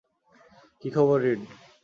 কী খবর, রীড?